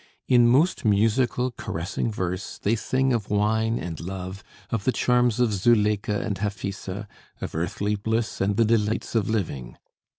In most musical, caressing verse they sing of wine and love, of the charms of Zuleika and Hafisa, of earthly bliss and the delights of living.